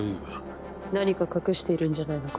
何か隠しているんじゃないのか？